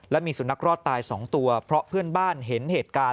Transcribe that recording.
และมีสุนัขรอดตาย๒ตัวเพราะเพื่อนบ้านเห็นเหตุการณ์